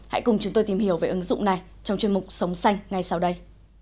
hãy cùng chúng tôi tìm hiểu về ứng dụng này trong chuyên mục sống xanh ngay sau đây